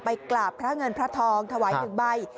กราบพระเงินพระทองถวาย๑ใบ